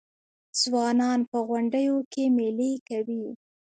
ځوانان په غونډیو کې میلې کوي.